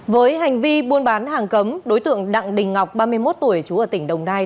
với hành vi buôn bán hàng cấm đối tượng đặng đình ngọc ba mươi một tuổi chú ở tỉnh đồng nai